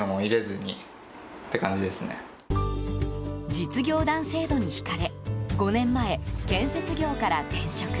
実業団制度に引かれ５年前、建設業から転職。